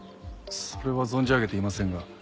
それは存じ上げていませんが。